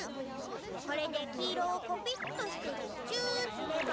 これできいろをコピットしてチューすれば。